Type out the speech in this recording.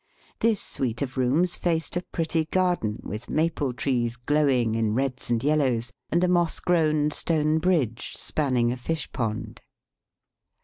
This suite of rooms faced a pretty garden with maple trees glowing in reds and yellows, and a moss grown stone bridge spanning a fish pond.